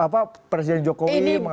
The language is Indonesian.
presiden jokowi mengarahkan ini